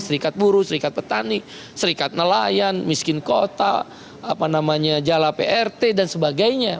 serikat buruh serikat petani serikat nelayan miskin kota apa namanya jala prt dan sebagainya